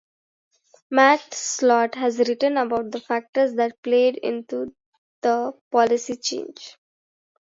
Matt Slot has written about the factors that played into the policy change.